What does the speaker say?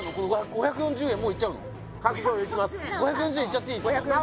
５４０円いっちゃっていいんすか？